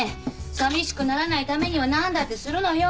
さみしくならないためには何だってするのよ。